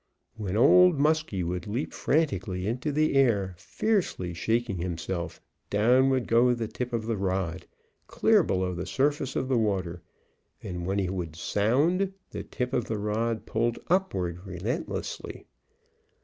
When Old Muskie would leap frantically into the air, fiercely shaking himself, down would go the tip of the rod, clear below the surface of the water; and when he would "sound," the tip of the rod pulled upward relentlessly.